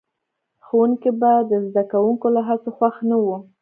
ښوونکي به د زده کوونکو له هڅو خوښ نه وو.